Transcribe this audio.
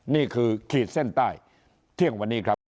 ขีดเส้นใต้เที่ยงวันนี้ครับ